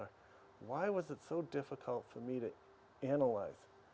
mengapa sangat sulit untuk saya menganalisis